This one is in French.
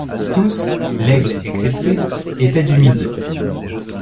Tous, Laigle excepté, étaient du midi.